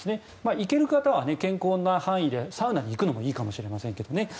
行ける方は健康な範囲でサウナに行くのもいいかもしれませんけどね。